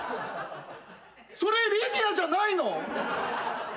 それリニアじゃないの！？